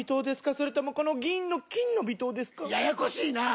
それともこの銀の「金の微糖」ですか？ややこしいなぁ！